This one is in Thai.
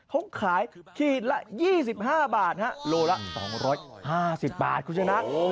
เขาขายขีดละ๒๕บาทโลละ๒๕๐บาทคุณชนะ